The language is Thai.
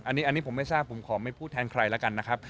อันนี้ผมไม่ทราบผมขอไม่พูดแทนใครแล้วกันนะครับ